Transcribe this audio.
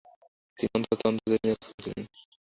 তিনি অন্ধত্ব ও অন্ধদের নিয়ে কাজ করেছিলেন।